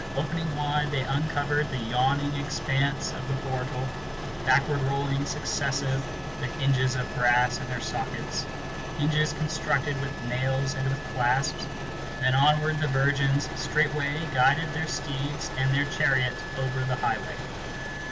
Opening wide, they uncovered the yawning expanse of the portal, Backward rolling successive the hinges of brass in their sockets, ŌĆö Hinges constructed with nails and with clasps; then onward the virgins Straightway guided their steeds and their chariot over the highway.